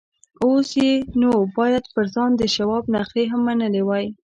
اوس یې نو باید پر ځان د شواب نخرې هم منلې وای